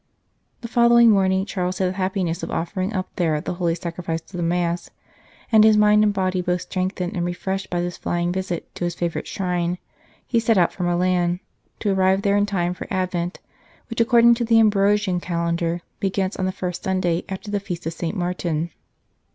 The following morning Charles had the happi ness of offering up there the Holy Sacrifice of the Mass ; and his mind and body both strengthened and refreshed by this flying visit to his favourite shrine, he set out for Milan, to arrive there in time for Advent, which, according to the Ambrosian Calendar, begins on the first Sunday after the feast of St. Martin.